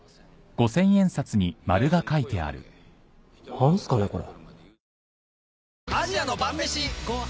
何すかねこれ？